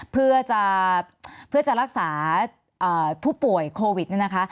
เพื่อจะรักษาผู้ป่วยโควิดเนี่ยนะคะ